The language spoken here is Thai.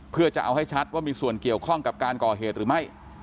เพื่อจะเอาให้ชัดว่ามีส่วนเกี่ยวข้องกับการก่อเหตุหรือไม่